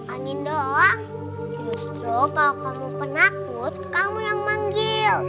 angin doang justru kalau kamu penakut kamu yang manggil